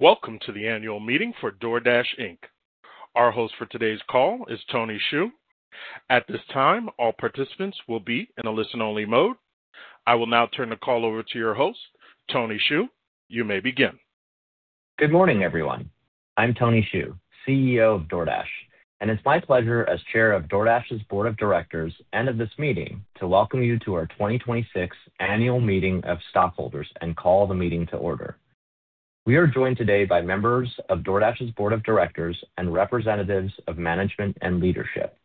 Welcome to the annual meeting for DoorDash, Inc. Our host for today's call is Tony Xu. At this time, all participants will be in a listen-only mode. I will now turn the call over to your host, Tony Xu. You may begin. Good morning, everyone. I'm Tony Xu, CEO of DoorDash, and it's my pleasure as Chair of DoorDash's Board of Directors and of this meeting to welcome you to our 2026 Annual Meeting of Stockholders and call the meeting to order. We are joined today by members of DoorDash's Board of Directors and representatives of management and leadership.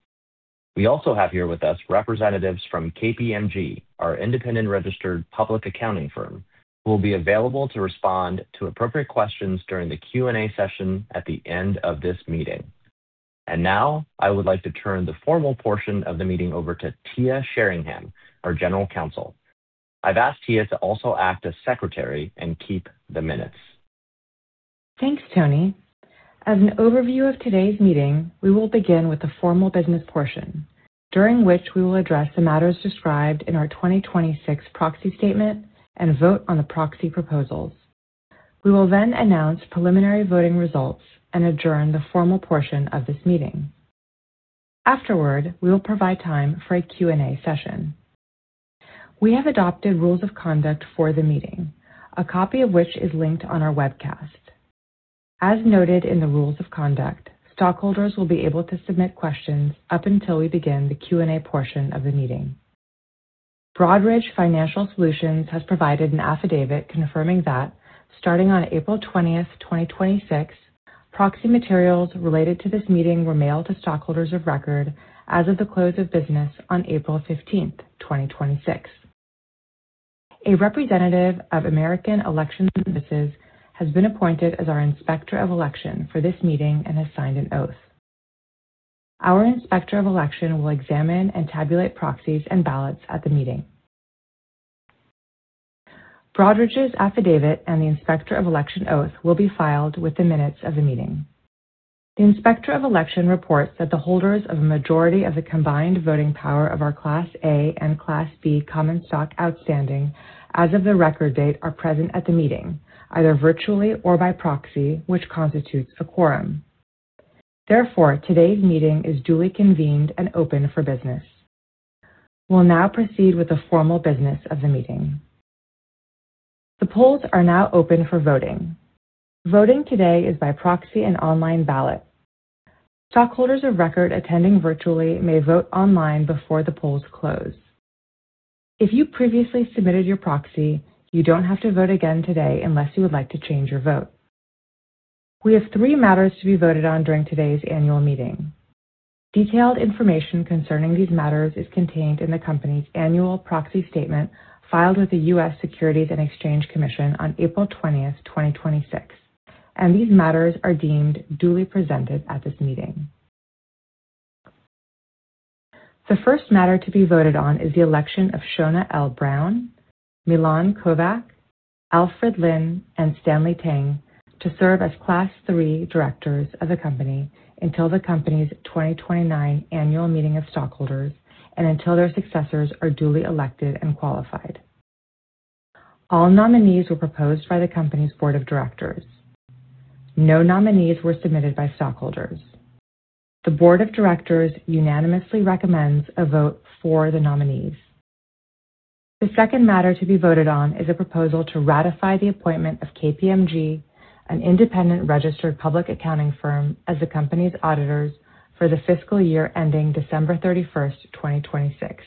We also have here with us representatives from KPMG, our independent registered public accounting firm, who will be available to respond to appropriate questions during the Q&A session at the end of this meeting. Now, I would like to turn the formal portion of the meeting over to Tia Sherringham, our General Counsel. I've asked Tia to also act as Secretary and keep the minutes. Thanks, Tony. As an overview of today's meeting, we will begin with the formal business portion, during which we will address the matters described in our 2026 proxy statement and vote on the proxy proposals. We will then announce preliminary voting results and adjourn the formal portion of this meeting. Afterward, we will provide time for a Q&A session. We have adopted rules of conduct for the meeting, a copy of which is linked on our webcast. As noted in the rules of conduct, stockholders will be able to submit questions up until we begin the Q&A portion of the meeting. Broadridge Financial Solutions has provided an affidavit confirming that starting on April 20th, 2026, proxy materials related to this meeting were mailed to stockholders of record as of the close of business on April 15, 2026. A representative of American Election Services has been appointed as our Inspector of Election for this meeting and has signed an oath. Our Inspector of Election will examine and tabulate proxies and ballots at the meeting. Broadridge's affidavit and the Inspector of Election oath will be filed with the minutes of the meeting. The Inspector of Election reports that the holders of a majority of the combined voting power of our Class A and Class B common stock outstanding as of the record date are present at the meeting, either virtually or by proxy, which constitutes a quorum. Today's meeting is duly convened and open for business. We'll now proceed with the formal business of the meeting. The polls are now open for voting. Voting today is by proxy and online ballot. Stockholders of record attending virtually may vote online before the polls close. If you previously submitted your proxy, you don't have to vote again today unless you would like to change your vote. We have three matters to be voted on during today's annual meeting. Detailed information concerning these matters is contained in the company's annual proxy statement filed with the U.S. Securities and Exchange Commission on April 20th, 2026, and these matters are deemed duly presented at this meeting. The first matter to be voted on is the election of Shona L. Brown, Milan Kovac, Alfred Lin, and Stanley Tang to serve as Class III directors of the company until the company's 2029 annual meeting of stockholders and until their successors are duly elected and qualified. All nominees were proposed by the company's board of directors. No nominees were submitted by stockholders. The board of directors unanimously recommends a vote for the nominees. The second matter to be voted on is a proposal to ratify the appointment of KPMG, an independent registered public accounting firm, as the company's auditors for the fiscal year ending December 31st, 2026.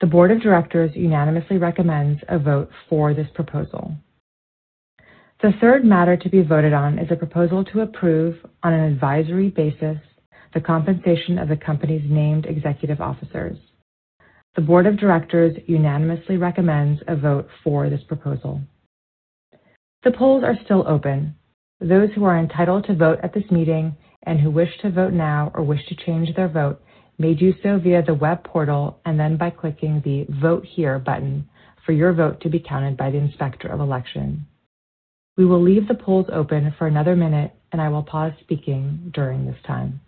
The board of directors unanimously recommends a vote for this proposal. The third matter to be voted on is a proposal to approve, on an advisory basis, the compensation of the company's named executive officers. The board of directors unanimously recommends a vote for this proposal. The polls are still open. Those who are entitled to vote at this meeting and who wish to vote now or wish to change their vote may do so via the web portal and then by clicking the Vote Here button for your vote to be counted by the Inspector of Election. We will leave the polls open for another minute, and I will pause speaking during this time.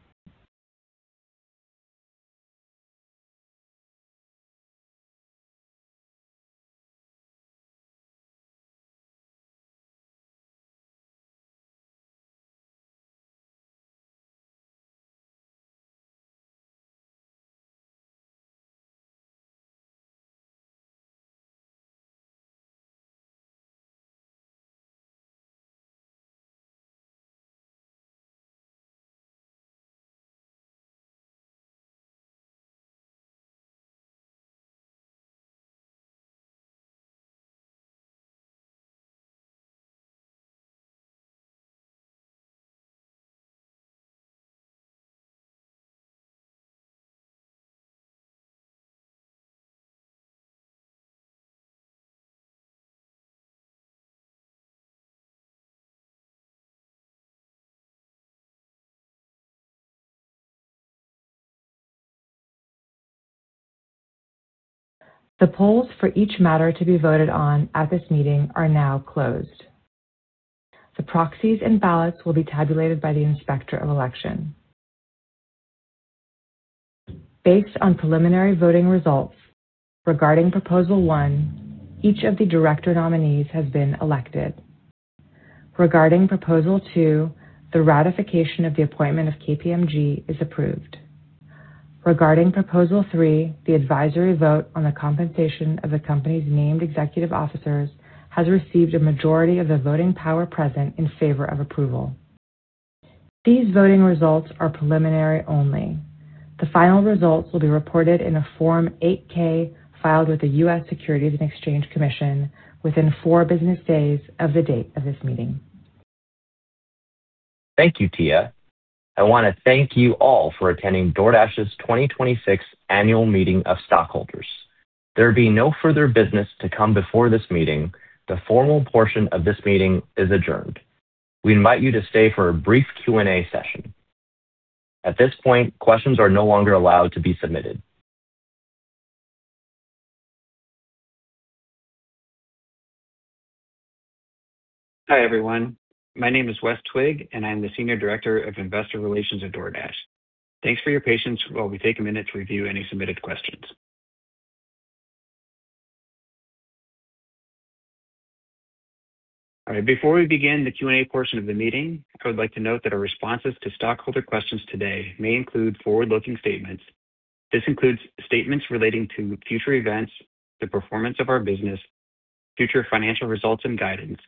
The polls for each matter to be voted on at this meeting are now closed. The proxies and ballots will be tabulated by the Inspector of Election. Based on preliminary voting results regarding Proposal 1, each of the director nominees has been elected. Regarding Proposal 2, the ratification of the appointment of KPMG is approved. Regarding Proposal 3, the advisory vote on the compensation of the company's named executive officers has received a majority of the voting power present in favor of approval. These voting results are preliminary only. The final results will be reported in a Form 8-K filed with the U.S. Securities and Exchange Commission within four business days of the date of this meeting. Thank you, Tia. I want to thank you all for attending DoorDash's 2026 Annual Meeting of Stockholders. There being no further business to come before this meeting, the formal portion of this meeting is adjourned. We invite you to stay for a brief Q&A session. At this point, questions are no longer allowed to be submitted. Hi, everyone. My name is Wes Twigg, and I'm the senior director of investor relations at DoorDash. Thanks for your patience while we take a minute to review any submitted questions. All right. Before we begin the Q&A portion of the meeting, I would like to note that our responses to stockholder questions today may include forward-looking statements. This includes statements relating to future events, the performance of our business, future financial results and guidance,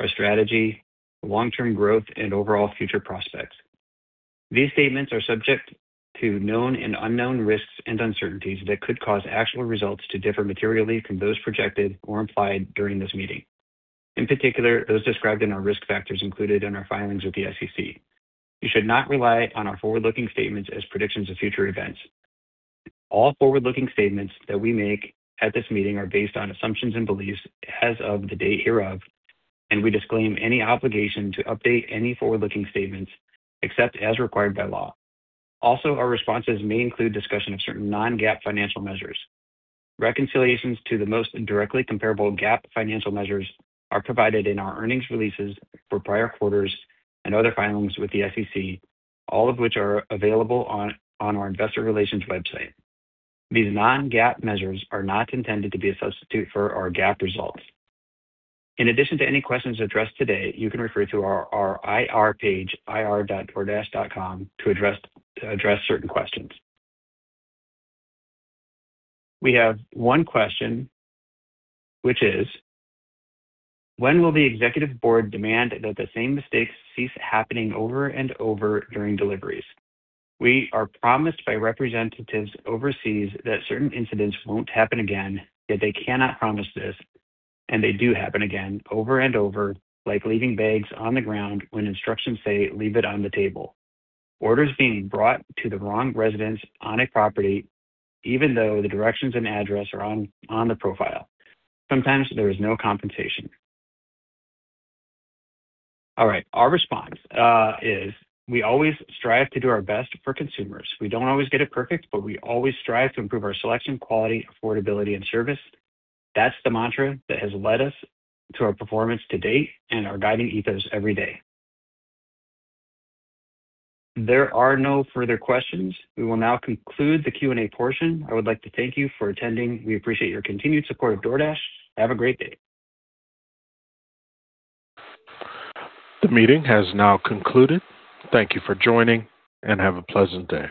our strategy, long-term growth, and overall future prospects. These statements are subject to known and unknown risks and uncertainties that could cause actual results to differ materially from those projected or implied during this meeting. In particular, those described in our risk factors included in our filings with the SEC. You should not rely on our forward-looking statements as predictions of future events. All forward-looking statements that we make at this meeting are based on assumptions and beliefs as of the date hereof, and we disclaim any obligation to update any forward-looking statements, except as required by law. Also, our responses may include discussion of certain non-GAAP financial measures. Reconciliations to the most directly comparable GAAP financial measures are provided in our earnings releases for prior quarters and other filings with the SEC, all of which are available on our investor relations website. These non-GAAP measures are not intended to be a substitute for our GAAP results. In addition to any questions addressed today, you can refer to our IR page, ir.doordash.com, to address certain questions. We have one question, which is, "When will the executive board demand that the same mistakes cease happening over and over during deliveries? We are promised by representatives overseas that certain incidents won't happen again, yet they cannot promise this, and they do happen again, over and over, like leaving bags on the ground when instructions say leave it on the table. Orders being brought to the wrong residence on a property even though the directions and address are on the profile. Sometimes there is no compensation." All right. Our response is we always strive to do our best for consumers. We don't always get it perfect, but we always strive to improve our selection, quality, affordability, and service. That's the mantra that has led us to our performance to date and our guiding ethos every day. There are no further questions. We will now conclude the Q&A portion. I would like to thank you for attending. We appreciate your continued support of DoorDash. Have a great day. The meeting has now concluded. Thank you for joining, and have a pleasant day.